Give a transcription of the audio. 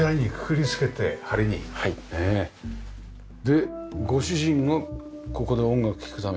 でご主人がここで音楽聴くために？